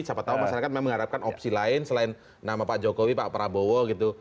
siapa tahu masyarakat memang mengharapkan opsi lain selain nama pak jokowi pak prabowo gitu